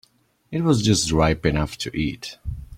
It was just ripe enough to eat.